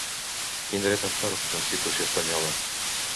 Quin dret empara la constitució espanyola?